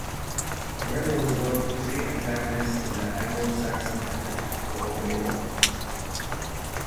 Grendel is one of three antagonists in the Anglo-Saxon epic poem Beowulf.